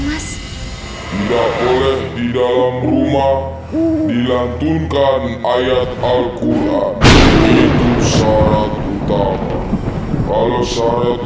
mas tidak boleh di dalam rumah dilantunkan ayat alquran itu syarat utama kalau syarat